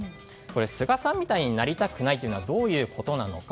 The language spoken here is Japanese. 菅さんみたいになりたくないというのはどういうことなのか